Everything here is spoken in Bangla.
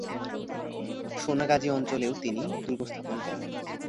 সোনাগাজী অঞ্চলেও তিনি দুর্গ স্থাপন করেন।